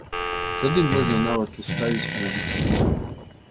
Тады можна нават уставіць аналітыку.